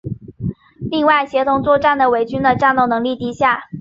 另外协同作战的伪军的战斗能力低下。